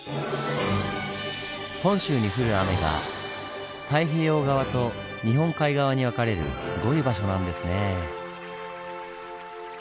本州に降る雨が太平洋側と日本海側に分かれるすごい場所なんですねぇ。